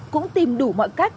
cũng tìm đủ mọi cách